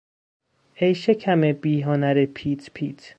ای شکم بی هنر پیچ پیچ